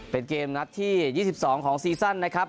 เป็นเกมนัดที่๒๒ของซีซั่นนะครับ